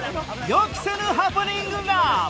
予期せぬハプニングが！